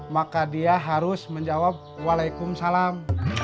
maka dia harus menjawab waalaikumsalam